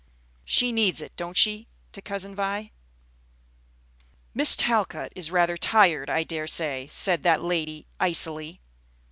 She needs it, don't she?" to Cousin Vi. "Miss Talcott is rather tired, I dare say," said that lady, icily.